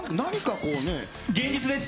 現実です。